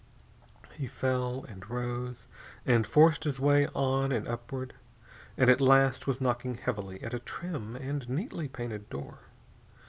He fell, and rose, and forced his way on and upward, and at last was knocking heavily at a trim and neatly painted door.